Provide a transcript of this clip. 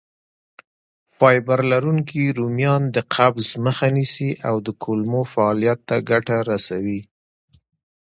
فایبر لرونکي رومیان د قبض مخه نیسي او د کولمو فعالیت ته ګټه رسوي.